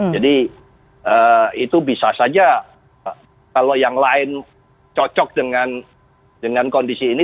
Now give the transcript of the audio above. jadi itu bisa saja kalau yang lain cocok dengan kondisi ini